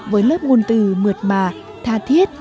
với lớp nguồn từ mượt mà tha thiết